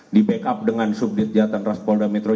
di backup dengan subdit jatan ras polda metro